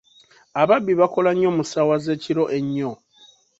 Ababbi bakola nnyo mu ssaawa z'ekiro ennyo.